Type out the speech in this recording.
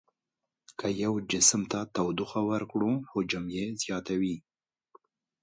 که یو جسم ته تودوخه ورکړو حجم یې زیاتوي.